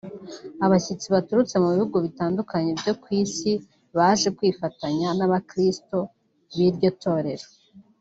Abashyitsi baturutse mu bihugu bitandukanye byo ku Isi baje kwifatanya n’abakristo b’iryo torero